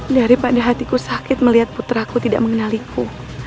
daripada hatiku sakit melihat putraku tidak mengenaliku